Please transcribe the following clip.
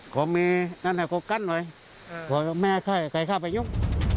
ก็มีรถกระบาดไว้ไม่ให้เข้าไปยุ่ง